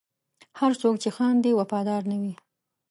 هر څوک چې خاندي، وفادار نه وي.